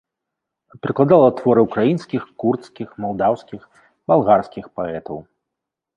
Перакладала творы ўкраінскіх, курдскіх, малдаўскіх, балгарскіх паэтаў.